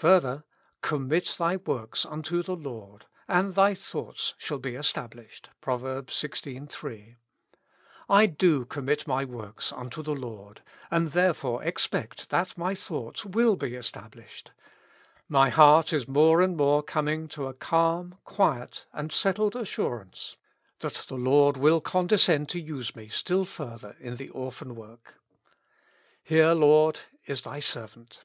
Further :' Commit thy works unto the Lord, and thy thoughts shall be established ' (Prov. xvi. 3). I do commit my works unto the Lord, and therefore expect that my thoughts will be established. My heart is more and more coming to a calm, quiet, and settled assurance, that the L,ord will condescend to use me still further in the orphan work. Here, Lord, is Thy servant."